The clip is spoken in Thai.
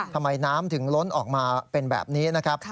ทำไมน้ำถึงล้นออกมาเป็นแบบนี้นะครับ